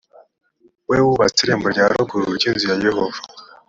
we wubatse irembo rya ruguru ry inzu ya yehova